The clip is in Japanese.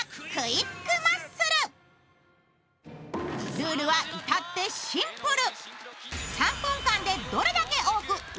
ルールは至ってシンプル。